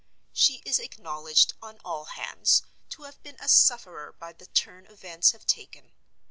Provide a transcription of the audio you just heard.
She is acknowledged on all hands to have been a sufferer by the turn events have taken.